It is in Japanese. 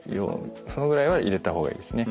そのぐらいは入れた方がいいですね。